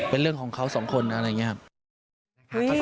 เป็นเรื่องของเขาสองคนอะไรอย่างนี้ครับ